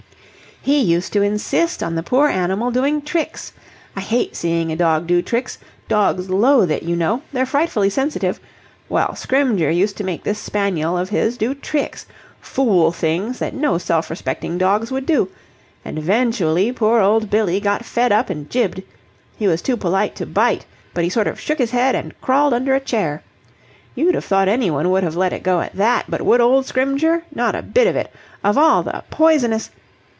"He used to insist on the poor animal doing tricks. I hate seeing a dog do tricks. Dogs loathe it, you know. They're frightfully sensitive. Well, Scrymgeour used to make this spaniel of his do tricks fool things that no self respecting dogs would do: and eventually poor old Billy got fed up and jibbed. He was too polite to bite, but he sort of shook his head and crawled under a chair. You'd have thought anyone would have let it go at that, but would old Scrymgeour? Not a bit of it! Of all the poisonous..."